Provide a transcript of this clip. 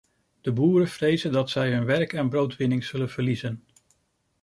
De boeren vrezen dat zij hun werk en broodwinning zullen verliezen.